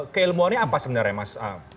keilmuannya apa sebenarnya mas